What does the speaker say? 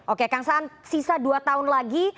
oke kang saan sisa dua tahun lagi